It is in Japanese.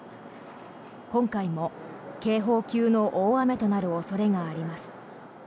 今回も警報級の大雨となる恐れがあります。